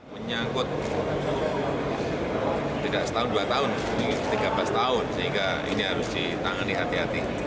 menyangkut tidak setahun dua tahun ini tiga belas tahun sehingga ini harus ditangani hati hati